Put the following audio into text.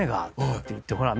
って言ってほらっ